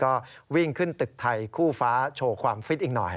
ก็วิ่งขึ้นตึกไทยคู่ฟ้าโชว์ความฟิตอีกหน่อย